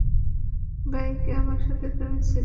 বাইকে আমার সাথে তুমি ছিলে।